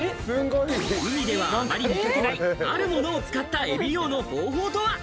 海ではあまり見かけない、あるものを使ったエビ漁の方法とは？